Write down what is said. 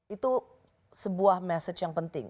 itu sebuah message yang penting